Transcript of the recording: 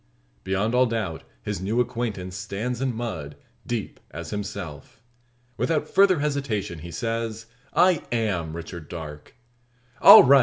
Beyond all doubt his new acquaintance stands in mud, deep as himself. Without further hesitation, he says "I am Richard Darke." "All right!"